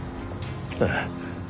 ええ。